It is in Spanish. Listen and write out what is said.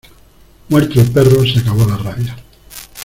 Muerto el perro se acabó la rabia.